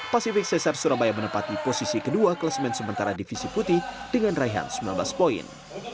pasifik cesar surabaya menempati posisi kedua kelasmen sementara divisi putih dengan raihan sembilan belas poin